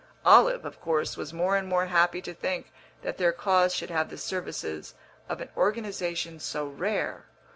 Olive, of course, was more and more happy to think that their cause should have the services of an organisation so rare.